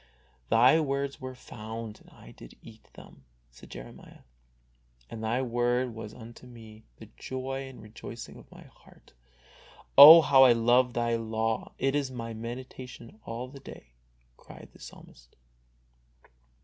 "Thy words were found, and I did eat them," said Jeremiah, "and Thy Word was unto me the joy and rejoicing of my heart." " Oh, how love I Thy law ! It is my meditation all the day," cried the Psalmist.